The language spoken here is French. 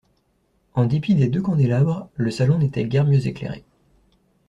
En dépit des deux candélabres, le salon n'était guère mieux éclairé.